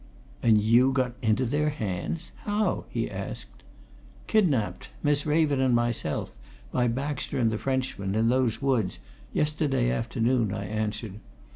"And you got into their hands how?" he asked. "Kidnapped Miss Raven and myself by Baxter and the Frenchman, in those woods, yesterday afternoon," I answered.